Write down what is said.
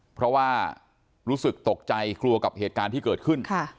เพราะว่ารู้สึกตกใจกลัวกับเหตุการณ์ที่เกิดขึ้น